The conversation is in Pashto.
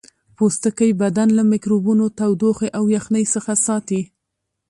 پوستکی بدن له میکروبونو تودوخې او یخنۍ څخه ساتي